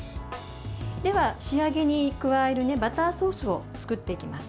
では、仕上げに加えるバターソースを作っていきます。